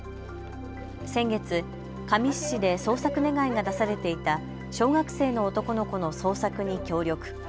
先月、神栖市で捜索願いが出されていた小学生の男の子の捜索に協力。